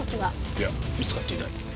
いや見つかっていない。